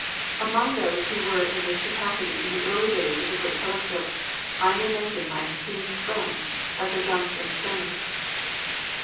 Among those who were in this capacity in the early days of the great telescope, I may mention my esteemed friend Dr. Johnston Stoney.